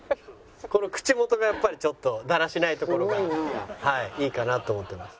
この口元がやっぱりちょっとだらしないところがいいかなと思ってます。